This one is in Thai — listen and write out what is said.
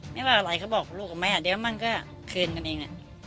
ไม่ว่าอะไรเขาบอกลูกกับแม่เดี๋ยวมันก็คืนกันเอง